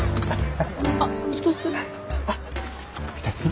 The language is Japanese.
あっ１つ。